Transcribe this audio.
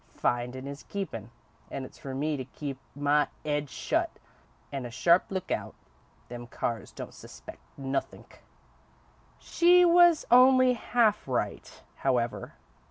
Findin' is keepin', and it's for me to keep my 'ead shut and a sharp lookout. Them Carrs don't suspect nothink." She was only half right, however.